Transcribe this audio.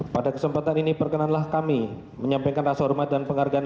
pada kesempatan ini perkenanlah kami menyampaikan rasa hormat dan penghargaan